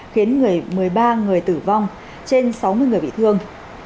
khiến người một mươi ba người tử vong trên sáu mươi người bị thương